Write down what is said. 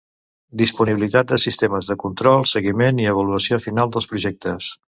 Disponibilitat de sistemes de control, seguiment i avaluació final dels projectes.